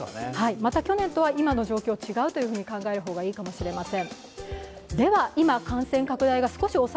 また去年とは今の状況違うと考える方がいいかもしれません。